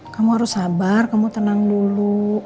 kamu harus sabar kamu tenang dulu